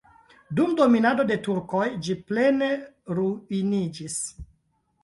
Dum dominado de turkoj ĝi plene ruiniĝis.